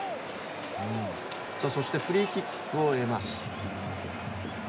そしてフリーキックを得ます。